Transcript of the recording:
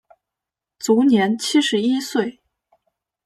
卒年七十一岁。